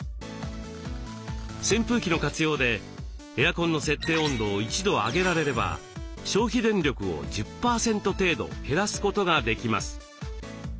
扇風機の活用でエアコンの設定温度を１度上げられれば消費電力を１０％程度減らすことができます。